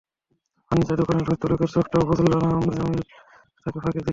Furniture দোকানের ধূর্ত লোকের চোখটাও বুঝল না, জামিলা তাকে ফাঁকি দিল।